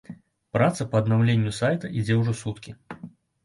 Праца па аднаўленню сайта ідзе ўжо суткі.